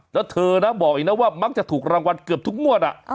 แล้วเธอนะบอกอีกนะว่ามักจะถูกรางวัลเกือบทุกงวด